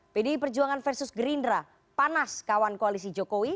pdi perjuangan versus gerindra panas kawan koalisi jokowi